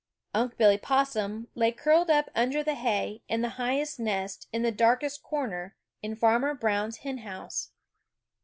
Unc' Billy Possum lay curled up under the hay in the highest nest in the darkest corner in Farmer Brown's hen house.